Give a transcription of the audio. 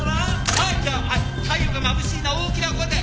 はいじゃあ太陽がまぶしいな大きな声で。